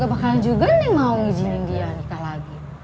gak bakalan juga neng mau ijinin dia nikah lagi